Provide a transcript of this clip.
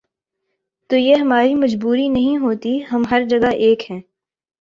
تو یہ ہماری مجبوری نہیں ہوتی، ہم ہر جگہ ایک ہیں۔